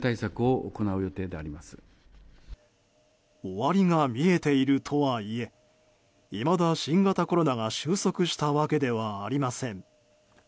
終わりが見えているとはいえいまだ、新型コロナが終息したわけではありません。